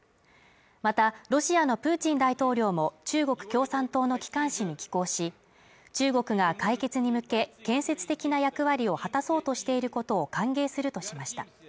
また、ロシアのプーチン大統領も中国共産党の機関紙に寄稿し、中国が解決に向け建設的な役割を果たそうとしていることを歓迎するとしました。